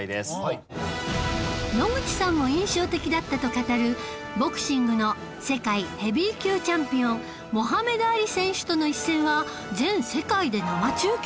野口さんも印象的だったと語るボクシングの世界ヘビー級チャンピオンモハメド・アリ選手との一戦は全世界で生中継